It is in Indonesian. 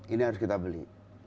ini harus kita beli